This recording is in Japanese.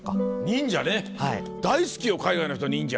忍者ね大好きよ海外の人忍者。